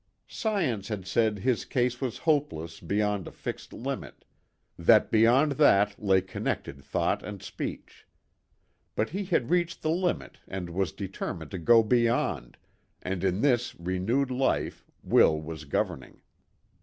Science had said his case was hopeless beyond 176 THE GOOD SAMARITAN. a fixed limit. That beyond that lay connected thought and speech. But he had reached the limit and was deter mined to go beyond, and in this renewed life WILL was governing.